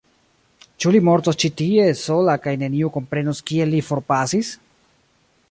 Ĉu li mortos ĉi tie, sola kaj neniu komprenos kiel li forpasis?